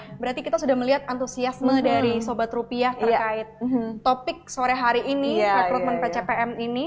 karena berarti kita sudah melihat antusiasme dari sobat rupiah terkait topik sore hari ini rekrutmen pcpm ini